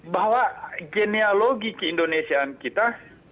bahwa genealogi keindonesiaan kita